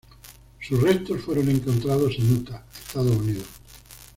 Sus restos fueron encontrados en Utah, Estados Unidos.